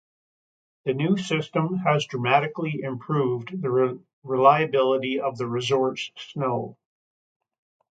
The new system has dramatically improved the reliability of the resort's snow.